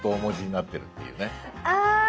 あ！